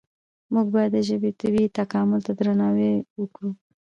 موږ باید د ژبې طبیعي تکامل ته درناوی وکړو.